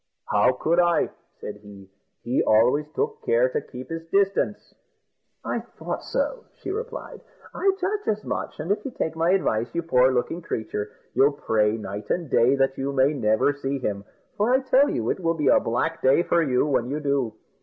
"How could I?" said he; "he always took care to keep his distance." "I thought so," she replied; "I judged as much; and if you take my advice, you poor looking creature, you'll pray night and day that you may never see him, for I tell you it will be a black day for you when you do.